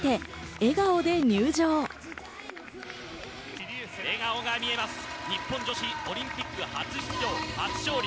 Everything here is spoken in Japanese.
笑顔が見えます、日本女子オリンピック初出場、初勝利。